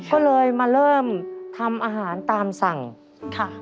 ก็เลยมาเริ่มทำอาหารตามสั่งค่ะ